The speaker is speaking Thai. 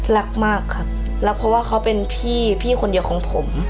รักมากครับรักเพราะว่าเขาเป็นพี่พี่คนเดียวของผม